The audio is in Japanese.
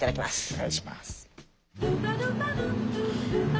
お願いします。